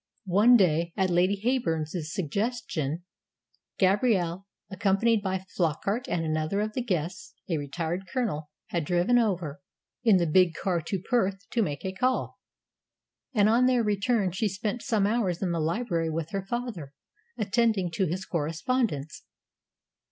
One day, at Lady Heyburn's suggestion, Gabrielle, accompanied by Flockart and another of the guests, a retired colonel, had driven over in the big car to Perth to make a call; and on their return she spent some hours in the library with her father, attending to his correspondence.